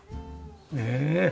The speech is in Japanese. ねえ。